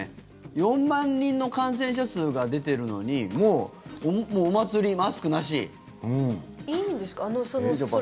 ４万人の感染者数が出ているのにもうお祭り、マスクなし。